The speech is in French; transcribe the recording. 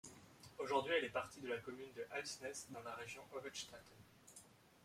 Aujourd'hui elle est partie de la commune de Halsnæs dans la région Hovedstaden.